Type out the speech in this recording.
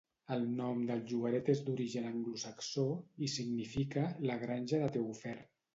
El nom del llogaret és d'origen anglosaxó, i significa "la granja de Teofer".